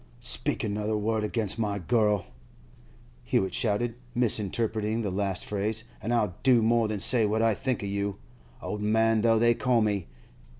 'Speak another word against my girl,' Hewett shouted, misinterpreting the last phrase, 'an' I'll do more than say what I think of you—old man though they call me!